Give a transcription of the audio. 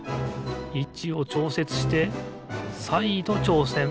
いちをちょうせつしてさいどちょうせん。